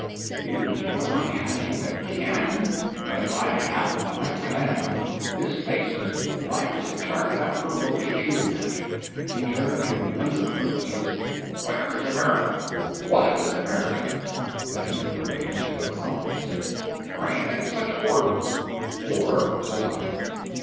Peters, do you know I had him again? If I hadn't I'm a clam! His face was as blank as a target after a militia shooting match. He turned to an under clerk and says— "Where is America? What is America?" The under clerk answered up prompt and says— "There ain't any such orb." "Orb?" says I.